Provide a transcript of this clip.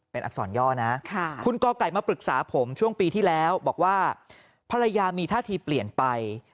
เป็นอักษรย่อนะคุณกไก่มาปรึกษาผมช่วงปีที่แล้วบอกว่า